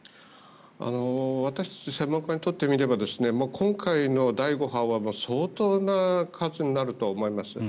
私たち専門家にとって見れば今回の第５波は相当な数になると思います。